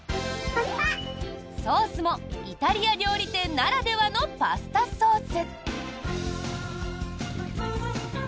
ソースもイタリア料理店ならではのパスタソース。